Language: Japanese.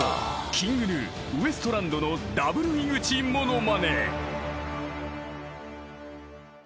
ＫｉｎｇＧｎｕウエストランドのＷ井口ものまね］